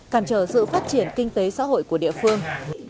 cản trở sự phát triển kinh tế xã hội của địa phương